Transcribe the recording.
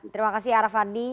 terima kasih arafadi